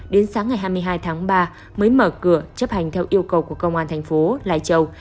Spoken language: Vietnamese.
đến sáng ngày hai mươi hai tháng ba mới mở cửa chấp hành theo yêu cầu của công an thành phố lai châu